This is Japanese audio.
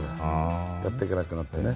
やっていけなくなってね。